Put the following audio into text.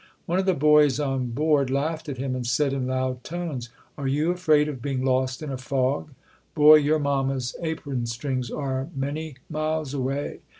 One of the boys on board laughed at him and said in loud tones, "Are you afraid of being lost in a fog? Boy, your mamma's apron strings are many miles away.